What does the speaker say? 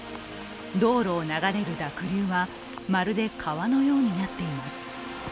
道路を流れる濁流は、まるで川のようになっています。